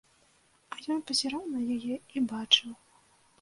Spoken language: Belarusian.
А ён пазіраў на яе і бачыў.